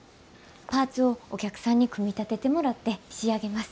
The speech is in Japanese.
パーツをお客さんに組み立ててもらって仕上げます。